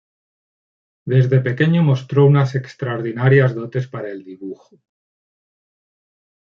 Desde pequeño mostró unas extraordinarias dotes para el dibujo.